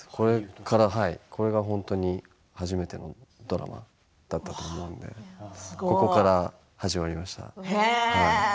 これが本当に初めてのドラマだったと思うんでここから始まりました。